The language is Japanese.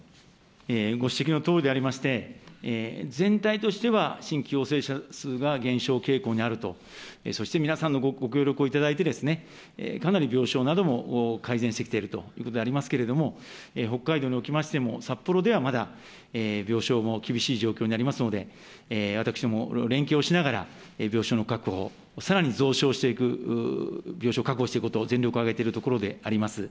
ご指摘のとおりでありまして、全体としては新規陽性者数が減少傾向にあると、そして皆さんのご協力をいただいて、かなり病床なども改善してきているということでありますけれども、北海道におきましても札幌ではまだ、病床も厳しい状況にありますので、私ども連携をしながら、病床の確保、さらに増床していく、病床を確保していくこと、全力を挙げているところであります。